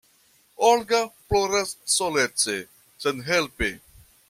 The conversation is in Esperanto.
Olga ploras solece, senhelpe.